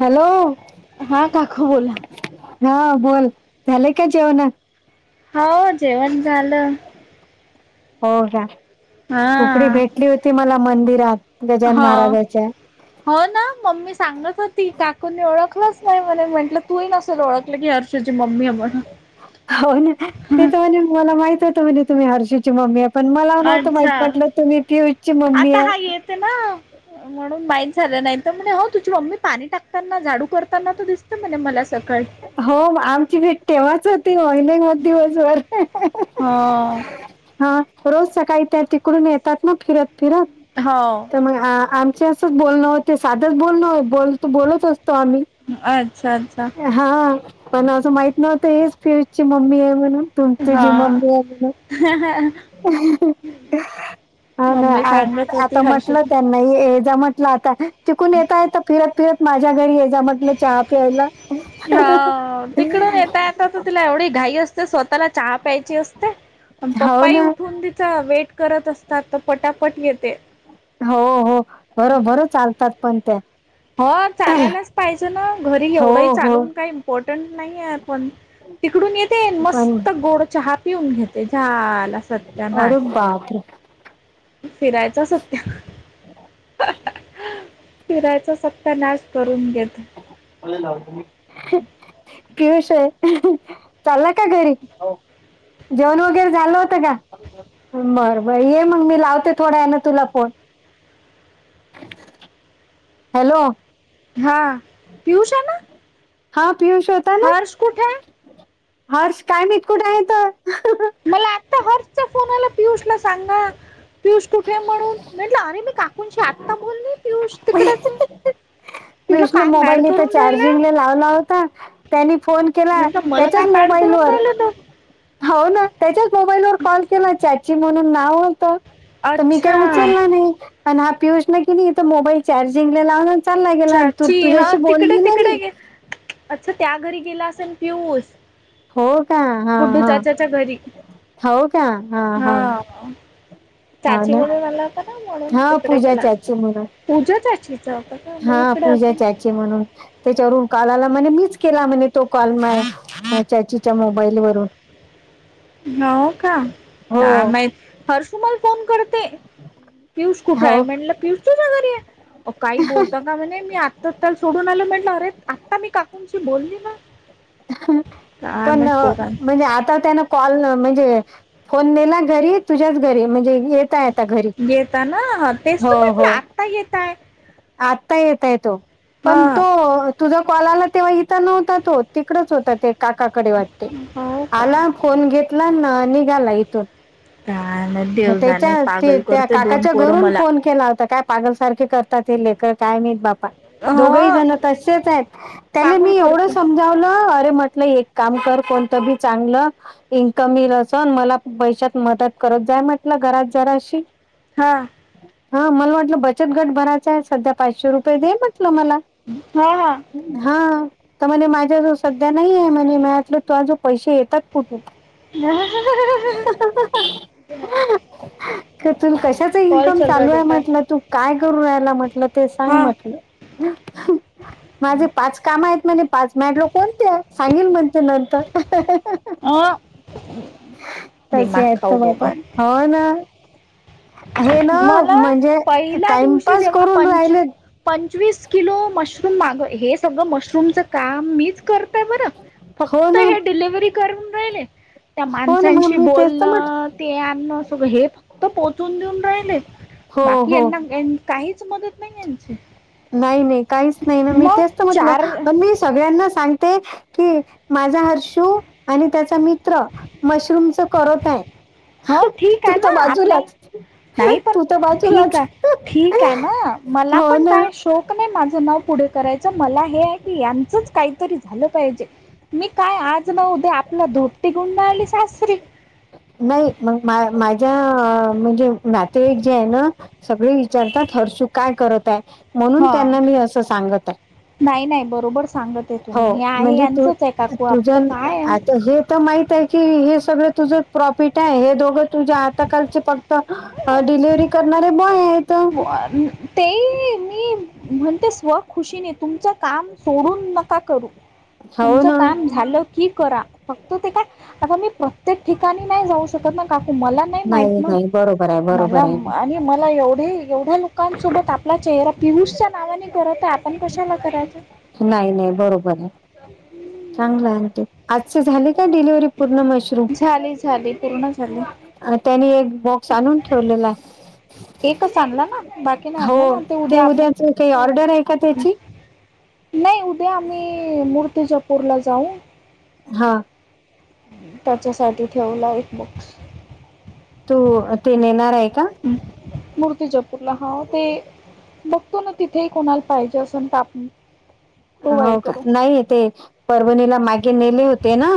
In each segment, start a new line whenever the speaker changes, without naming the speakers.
Hello!
हा काकू बोला.
हा बोल, झाले का जेवणं.
हो जेवण झालं.
हो का तुकडी
हा
भेटली होती, मला मंदिरात. गजान
हो
महाराजाच्या
हो ना मम्मी सांगत होती काकूंनी ओळखलंच नाही म्हणुन म्हटलं तूही नसेल ओळख म्हंटलं की हर्षू ची मम्मी ये म्हणून.
हो ना ते तर म्हणे मला माहित होत म्हणे तुम्ही हर्षू ची मम्मीये. पण मला नव्हतं माहित
अच्छा
म्हटलं तुम्ही पीयूष ची मम्मी
आता हा
आहे.
येते ना म्हणून माहित झालं नाही तर म्हणे हो तुझी मम्मी पाणी टाकताना झाडू करताना त दिसत म्हणे मला सकाळी.
हो आमची भेट तेव्हाच होते, म मग नाही दिवसभर.
हो
हा. रोज सकाळी त्या तिकडून येतात ना, फिरत फिरत
हो
तर मग आ आम च बोलणं हो ते साधंच बोलण बोलतो बोलत असतो आम्ही.
अच्छा अच्छा.
हा पण असं माहित नव्हतं हीच, पियुष ची मम्मी आहे म्हणून. तु तुझी
हा
मम्मी [unintelligible] हा ना
मम्मी सांगत होती
आता,
हर्षू
म्हटलं त्या नाही येजा म्हंटलं आता तिकून येता येता फिरत फिरत माझ्या घरी, येजा म्हंटलं चहा पियला.
हा तिकडून येतात तिला एवढी घाई असते. स्वतःला चहा प्यायची असते,
हो
पप्पा
ना
उठून तिच वेट. करत असतात तर पटापट येते.
हो हो भरभर चालतात पण त्या.
हो चालायलाच पाहिजे ना घरी
हो
एवढंही
हो
चालवून काही इम्पॉर्टंट नाही आहे पण तिकडून येते
पण
मस्त गोड चहा पिऊन घेते, झाला सत्यानाश.
अरे बापरे!
फिरायचा सत्यानाश. फिरायचा सत्यानाश करून घेत.
[unintelligible]
[inaudible]
पियुष ये चाला का घरी? जेवण वगैरे झालं होतं का बरं बर ये मग मी लावते थोडा वेळानं तुला फोन. [inaudible] हॅलो,
हा. पियुष आला.
हा पियुष होता ना
हर्ष कुठेय?
हर्ष काय माहित कुठ आहे तर.
मला आता हर्षचा फोनाला पियुष ला सांगा. पियुष कुठे म्हणून म्हंटलं अरे, मी काकूंशी आत्ता बोले पियुष तिकडंच ये.
पियुष नि मोबाईल इथ
राहिला
चार्जिंगला लावला होता त्यांनी फोन केला
म्हटलं मला काय
त्याच्याच
मेड करून
मोबाईलवर
राहिला तो
हो ना त्याच्याच मोबाईलवर कॉल केला चाची म्हणून नाव होतं. तर मी काय
अच्छा
उचलला नाही. पण हा पियुष कणी इथं मोबाईल चार्जिंग लावला चालला, गेला तू
चाची हा
तुझ्याशी
तिकडे
बोलली ना
तिकडे
मी.
गे अच्छा, त्या घरी गेला असेल पियूस.
हो का हा हा
घरी
हाव का हा हा. हा
चाची
ना
म्हणून आला होता ना म्हणून
हा
तिकडे
पूजा
गेला
चाची म्हणून
पूजा चाचीचा होतं.
हा पूजाचाची म्हणून त्याच्यावरून कॉल आला म्हणे, मिच केला म्हणे तो कॉल मला. ह चाचीच्या मोबाईल वरून
हो का
हो
काय माहित हर्षू मला फोन करते. पियुष कुठे आहे.
हो
म्हटलं पियुष तुझ्या घरी आहे, काही बोलतात. का म्हणे मी आत्ता त्याल सोडून आलो म्हटल अरे आत्ता मी काकूूनशी बोलली ना. काय
पण
माहित पोरां
म्हणजे आता त्यांना कॉल म्हणजे फोन नेला, घरी तुझ्याच घरी म्हणजे. येताय आता घरी
गेताना तेच तर म्हटलं आत्ता येताय.
आता येतय तो पण
हा
तो तुझा कॉल आला तेव्हा इथं नव्हता तो. तिकडच होता ते काकाकडे वाटते
हो का
आला फोन घेतला आन निघाला इथून.
काय नाही
म
देव जाणे
त्याच्या
पागल
त्या
करते दोन
काकाच्या
पोरं
घरून
मला.
फोन केला होता काय पागलसारखे करतात हे, लेकर काय मी बा. दोघंही जण
हो
तसेच आहेत त्याले,
पागल
मी एवढ
करते
समजावलं. अरे म्हटलं एक काम कर, कोणतं बी चांगलं. इन्कम मिलं असान मला पैशत मदत करत जा म्हटलं घरात जराशी.
हां.
हा मला वाटलं बचत घट भरायचा आहे सध्या पाचशे रुपये दे म्हटलं मला.
हा हा.
हाव त्या म्हणे मा सध्या नाही आहे म्हणे म्या, तुझ्याकड जो पैसे येतात कुठून.
[unintelligible]
तु कशाच
कॉल
इन्कम
चल रहा है
चालू आहे
बेटा
म्हटलं, तू काय करून रायला म्हटलं ते सांग
हा
म्हटलं. माझे पाच काम आहेत म्हणे पाच. मॅडलं कोण त्या सांगल म्हणते नंतर.
ह बी
तसे
मात
आहेत तर
खाऊ दो
बाबा
का.
हो ना. हे ना
मला
म्हणजे
पहिल्या दिवशी
टाइमपास
जेव्हा
करून
पंच
राहिले.
पंचवीस किलो मशरूम मागं हे सगळं मशरूमचा काम मीच कर ते बरं
हो
फक्त
ना
हे डिलव्हरी करून राहिले. त्या
हो ना मग
माणसांशी
मी तेच तर म्हटलं
बोलणं ते अ्न सगळ हे फक्त पोचून देऊन राहिले,
हो
बाकी
हो
यांना. काहीच मदत नाही याची.
नाही नाही काहीच नाही ना मी, तेच तर म्हटलं
चार
पण मी सगळ्यांना सांगते. कि माझा हर्षू आणि त्याचा मित्र मशरूमचचा करत आहे.
ह ठीक
तू
आहे
तर
ना आपल्याला
बाजूलाच,
नाही पण
तू तर
ठीक
बाजूलाच.
आहे ठीक आहे ना मला
हो
पण
ना
काय शोक नाही माझं नाव पुढे करायचं, मला हे आहे की यांचंच काहीतरी झालं. पाहिजे मी काय आज न उद्या, आपला धोपटी गुंडाळली सासरी.
नाही मग मा माझ्या म्हणजे नातेवाईक जे आहे ना सगळे विचारतात हर्षू काय करत आहे म्हणून
हा
त्यांना मी असं सांगत आहे.
नाही नाही बरोबर सांगत आहे
हो
तुम्ही हे आहे
म्हणजे तु
यांचंच आहे काकू
तुझा
आपलं
अन
काय आहे?
आता हे तर माहित की हे सगळं तुझं प्रॉफिट आहे हे दोघ. तुझ्या हाताखालचे फक्त डिलिव्हरी करणारे बॉय आहेत.
ते मी म्हणते, स्व खुशीने तुमचा. काम सोडून नका करू
हो
तुमचं
ना
काम झालं की करा. फक्त ते काय आता मी प्रत्येक ठिकाणी नाही, जाऊ शकत ना काकू मला नाही. नाही माहित ना
नाही बरोबर आहे
मला
बरोबर आहे
आणि मला एवढी एवढ्या लोकांसोबत आपला चेहरा पियुष च्या नावाने करत आहे आपण कशाला करायच.
नाही नाही बरोबर आहे चांगलंय आजची झाले का डिलव्हरी? पूर्ण मशरूम
झाली झाली पूर्ण झाली
त्यानी एक बॉक्स आणून ठेवलेला.
एकच आणला ना बाकी नाय आणलं
हो
ना ते उद्या आप
उद्याच काही ऑर्डर आहे का त्याची?
नाही उद्या आम्ही, मूर्तिजापूरला जाऊ.
हां.
त्याच्यासाठी ठेवला एक बोक्स.
तू ते नेणार आहे का?
मूर्ती च कुठल हा ते बघतो ना तिथेही कोणाला पाहिजे असंन आप
हो का नाही ते परभणीला मागे नेले होते ना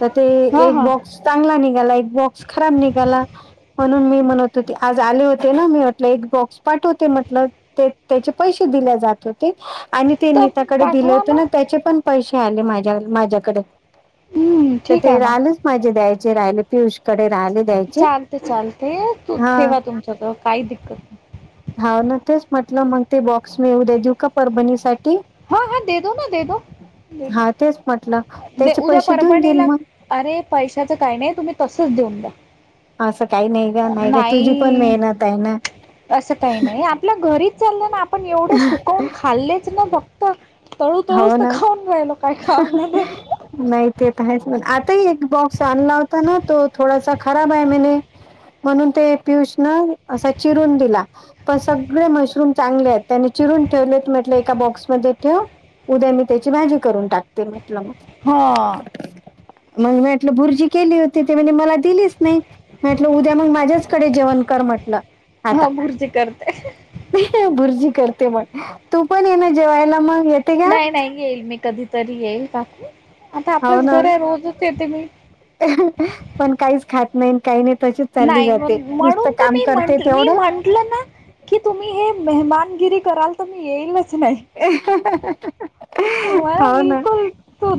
तर ते
हा
एक
हा
बॉक्स चांगला निघाला एक बॉक्स खराब निघाला. म्हणून मी म्हणत होती आज आले होते ना मी म्हटलं एक बॉक्स पाठव होते म्हटल. ते ते त्याचे पैसे दिले जात होते आणि ते
तर
नीताकडे दिले
पाठवा
होते ना त्याचे पण पैसे आले माझ्याल माझ्याकड.
हम्म
तर
ठीक आहे
ते
ना
राहिलच माझे द्यायचे राहिले पियुषकडे राहिले. द्यायचे.
चालते चालते तू
हां
ठेवा तुमच्या कड काही दिक्कत नाही.
हा ना तेच म्हटलं मग ते बॉक्स मी उद्या घेऊ का परभणीसाठी?
हा हा दे दो ना दे दोे
हा तेच म्हटलं त्याचे
उद्या
पैसे देऊन देईल
परभणीला
मग.
अरे पैशाचं काही नाही तुम्ही तसच देऊन द्या.
असं काही नाही गं नाही गं, तुझी पण
नाही
मेहन आहे ना.
असं काही नाही आपल्या घरीच चाललं ना, आपण एवढे सुकवून खाल्लेच ना फक्त. तळु तळु
हो
स
ना
तका खाऊन राहिलो [unintelligible]
नाही ते तर आहेच मण आताही एक बॉक्स आणला होता ना तो थोडासा खराब आहे मने. म्हणून ते पियुष न असा चिरून दिला. पण सगळे मशरूम चांगले आहेत त्यानी चिरून ठेवलेत म्हटलं एका बॉक्समध्ये ठेव उद्या मी त्याची भाजी करून टाक म्हट
हा
मग म्हटलं [unintelligible] बुरजी केली होती ते म्हणले मला दिली. नाही म्हटलं उद्या मग माझ्याचकडे जेवण कर म्हटलं आता.
हा भुर्जी करते
भुरजि करते म्हण तू पण एना जेवायला मग का
नाही नाही येईल मी कधीतरी येईल टाकून आता
हो
आपलंच
ना
घर आहे रोजच येते मी.
[unintelligible] पण काहीच खात नाही काही नाही तशी चालली
नाही मग
जाते नुसतं काम करते तेवढं
म्हटलं ना की तुम्ही हे मेहमानगिरी कराल तर मी येईलच नाही.
ए [unintelligible]
होय बिलकुल.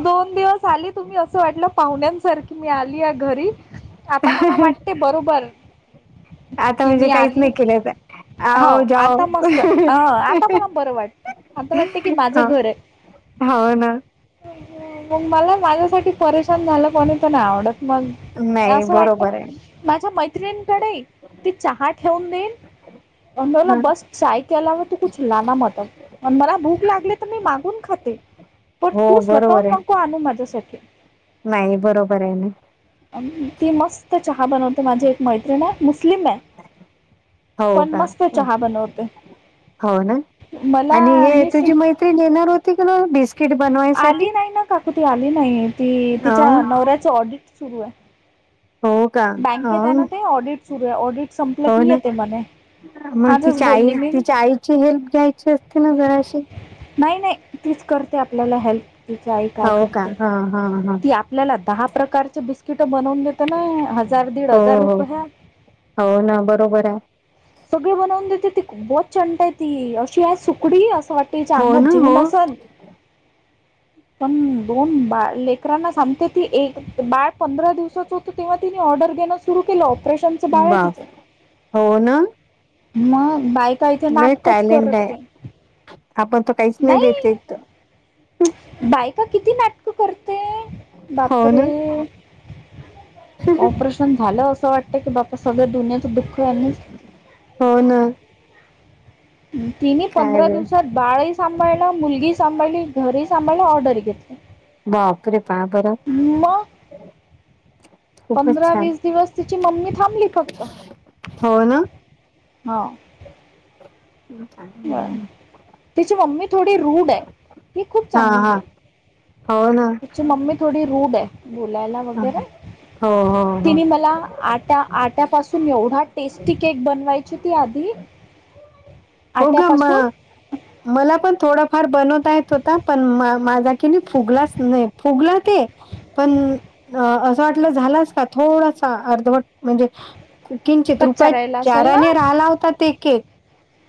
दोन दिवस आली तुम्ही असं वाटलं पाहुण्यांसारखी मी आली या घरी आता मला वाटते बरोबर.
आता
कि
म्हणजे
मी
काहीच
आली
नाही केलं तर
हो
आओ जाओ
आता मस्त अ आता मला बरं वाटत आता वाटते की माझं
हो
घर आहे.
हो ना.
मग मला माझ्यासाठी परेशान झालं म्हणून तर नाही आवडत मग. हे
नाही
असं
बरोबर आहे
वाटत माझ्या मैत्रिंकडे ती चहा ठेवून देईन मी बोल
हं.
बस चाय केलावर तू कुछ लानामत मला भूक लागली तर मी मागून खाते पण
हो
तू
बरोबर
स्वतःहून
आहे
नको आणू माझ्यासाठी.
नाही बरोबर आहे ना.
ती मस्त चहा बनवते माझी एक मैत्रिण आहे मुस्लिम आहे.
हो
पण
का
मस्त चहा बनवते.
हो ना? आणि
मला
हे
मी स-
तुझी मैत्री नेणार होती की ना बिस्किट बनवायसाठी.
आली नाही ना काकू ती आली नाही ती
अ
तिच्या नवऱ्याच ऑडिट सुरू आहे.
हो. का अ
बँकेत आहे ना ते ऑडिट सुरू आहे ऑडिट संपलं
हो
की
ना
येते म्हणे.
मग
आजच
तिच्या आई
बोलली मी
तिच्या आईची हेल्प घ्यायची असते ना जराशी.
नाही नाही तीच करते आपल्याला हेल्प तिच्या आई काय
हो का
करते
हा हा हा
ती आप आपल्याला दहा प्रकारची बिस्किट बनवून देतना हजार दीड
हो
हजार रुप
हो
हा
हो ना बरोबर आहे
सगळे बनवून देते बोहत चंट आहे ती अशी आहे सुकडी असं वाटते याच्या
हो ना
अंगात जीव
हो
नसंल [unintelligible] पण दोन बाळ लेकरांना सांगते ती एक बाळ पंधरा दिवसच हो तेव्हा तिने ऑर्डर घेणं सुरु केलं ऑपरेशनच बाळ आहे तिच.
बाप हो ना
मग बाय काही ते
लय
नाटकच
टॅलेंट आहे
करते.
आपण तर काहीच
नाही,
देत येत
बायका किती नाटक करते.
हो ना
बापरे. ऑपरेशन झालं असं वाटतंय, ‌की बाप्पा सगळं दुनयेचं दुःख [unintelligible]
हो ना.
तिने
काय
पंधरा
ग
दिवसात बाळही सांभाळला, मुलगी सांभाळली, घरी सांभाळला, ऑर्डर घेतली.
बापरे पाहा बरं.
मग
खूपच
पंधरा,
छान
वीस दिवस तिची मम्मी थांबली फक्त.
हो ना
हो.
[unintelligible]
तिची मम्मी थोडी रूड आहे. ती खूप
हा हा. हो ना.
त्याची मम्मी थोडी रूढ आहे बोलायला
हो,
वगैरे.
हो, हो.
तिने मला आता आट्यापासून एवढा टेस्टी केक बनवायची ती आधी.
हो ग म
आट्यापासून
मला पण थोडाफार बनवता येत होता पण माझा कि नाही फुगलाच नाही फुगला ते. पण अ असं वाटलं झालाच काय थोडासा अर्धवट म्हणजे किंचित
कच्चा
रुपया
राहिला असेल ना
चाराने राहिला होता ते केक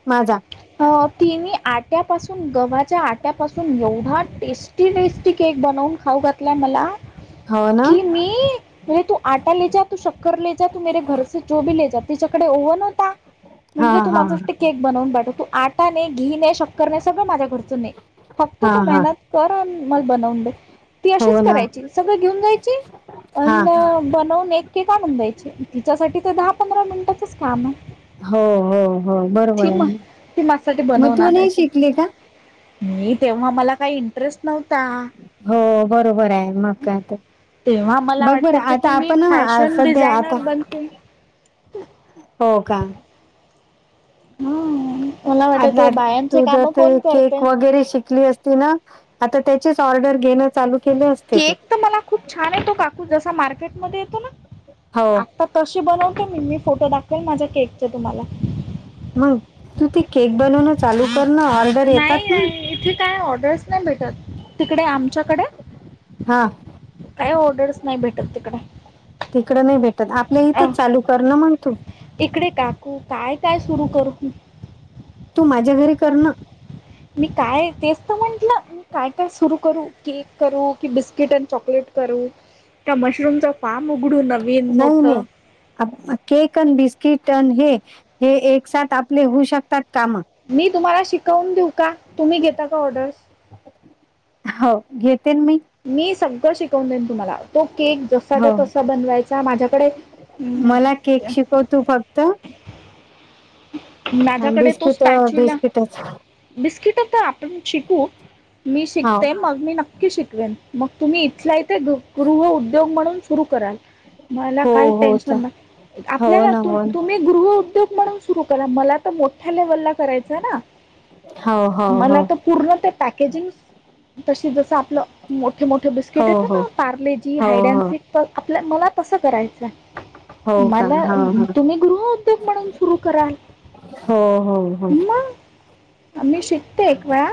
माझा.
अ तीन्ही आट्यापासून गव्हाच्या आट्यापासून एवढा टेस्ट. तिनेच टेस्टी केक बनवून खाऊ घातला मला
हो ना?
कि मी [unintelligible] तिकड ओव्हन होता. म्हंटलं
हां,
तू
हां,
माझं केक बनवून पाठव तू आटा नाही घी नाही शक्कर नाही सगळं माझ्या घरचं नाही. फक्त
हां,
तू
हां.
मेहनत कर मग बनवून दे. ती
हो
अशीच
ना.
करायची सगळं घेऊन जायची. पण
हां,
बनवून एकेक आणून द्यायचे. तिच्यासाठी तर दहा पंधरा मिनिटाचच काम आहे.
हो हो हो बरोबर
ती
आहे
मग ती माझ्यासाठी
मग
बनवून
तू नाही
आणायची
शिकली का?
मी तेव्हा मला काही ट्रस्ट नव्हता.
हो बरोबर आहे, मग काय तर.
तेव्हा मला
बघ बर
वाटायचं
आता
की मी
आपण
फॅशन
सध्या आता
डिझायनर बनते
हो का.
हम्म मला
आज
वाटायचं बायांचे
तू ज
काम
ते
कोण
केक
करते
वगैरे शिकली असती ना. आता त्याचेच ऑर्डर घेण
केक तर मला खूप छान येतो, काकू जसा मार्केटमध्ये येतो ना
हो
आता तशी बनवूनते मी मी फोटो दाखवेल माझ्या केकचे तुम्हाला.
मग तू ते केक बनवन चालू कर ना ऑ
नाही नाही इथे काय ऑर्डर्स नाही भेटत. तिकडे आमच्याकडे.
हा.
काही ऑर्डरच नाही भेटतं तिकडं.
तिकडं नाही भेटत आपल्या
अहो
इथंच चालू कर ना मग तू
तिकडे काकू काय काय सुरू करू
तू माझ्या घरी करनं.
मी काय तेच तर म्हंटलं. काय काय सुरू करू. केक करू की, बिस्किट अन् चॉकलेट करू. का मशरूमचं फार्म उघडून नवीन
नाही नाही
मोठं.
केक अन बिस्किट अन हे हे एक साथ आपले होऊ शकतात कामं.
मी तुम्हाला शिकवून देऊ का? तुम्ही घेता का ऑर्डर?
हो घेतेन मी.
मी सगळं शिकवून देन. तुम्हाला तो केक जसाचा
हो
तसा बनवायचा माझ्याकडे
मला केक शिकव तू फक्त अन
माझ्याकडे तो
बिस्किट
स्पॅच्यूला
बिस्किटच
बिस्किटं ता आपण शिकू मी
हो
शिकते मग मी नक् नक्की शिकवेन. मग तुम्ही इथल्या इथे गृह उद्योग म्हणून सुरू कराल. मला
हो
काही
हो
टेन्शन
चा-
ना
हो
आपल्याला
ना
तुम
हो ना
तुम्ही गृह उद्योग म्हणून सुरु करा मला तर मोठ्या लेव्हल ला करायचय ना.
हो हो हो
मला तर पूर्ण ते पॅकेजिंगस तशी जस आपलं मोठे मोठे
हो
बिस्किट येत
हो
ना पार्ले जी
हो हो
हायडॅन्सिक. तर आपल्या मला तसं करायचं हाय.
हो का
मला
हो हो
तुम्ही गृहउद्योग म्हणून सुरू करा.
हो हो हो.
आ मी शिकते एक वेळा.